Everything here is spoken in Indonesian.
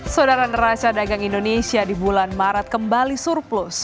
saudara neraca dagang indonesia di bulan maret kembali surplus